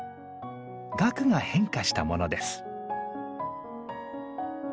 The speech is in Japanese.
萼が変化したものです。